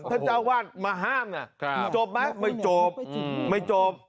ท่านเจ้าว่านมาห้ามนะจบมั้ยไม่จบไม่จบ